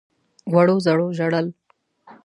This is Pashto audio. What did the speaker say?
وړو _زړو ژړل.